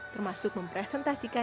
termasuk mempresentasikan bidang usaha